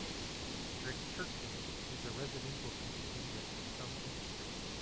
Dreikirchen is a residential community with some industry.